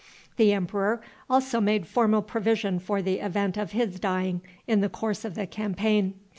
The emperor also made formal provision for the event of his dying in the course of the campaign.